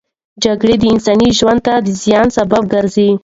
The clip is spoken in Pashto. جګړه د انساني ژوند د زیان سبب ګرځي.